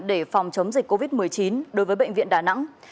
để phòng chống dịch covid một mươi chín đối với bệnh viện đà nẵng